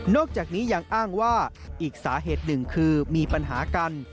จากนี้ยังอ้างว่าอีกสาเหตุหนึ่งคือมีปัญหากัน